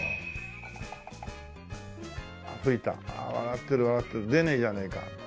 吹いたああ笑ってる笑ってる出ねえじゃねえか。